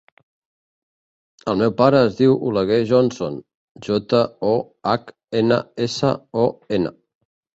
El meu pare es diu Oleguer Johnson: jota, o, hac, ena, essa, o, ena.